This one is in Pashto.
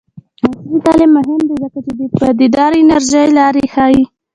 عصري تعلیم مهم دی ځکه چې د پایداره انرژۍ لارې ښيي.